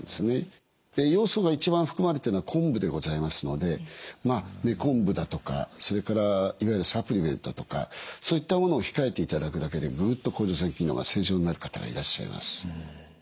ヨウ素が一番含まれてるのはこんぶでございますのでこんぶだとかそれからいわゆるサプリメントとかそういったものを控えていただくだけでグッと甲状腺機能が正常になる方がいらっしゃいます。